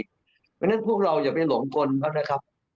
เพราะฉะนั้นพวกเราอย่าไปหลงกลเขานะครับ